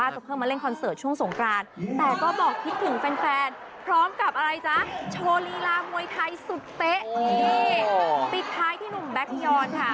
เพิ่งมาเล่นคอนเสิร์ตช่วงสงกรานแต่ก็บอกคิดถึงแฟนพร้อมกับอะไรจ๊ะโชว์ลีลามวยไทยสุดเป๊ะนี่ปิดท้ายที่หนุ่มแบ็คยอนค่ะ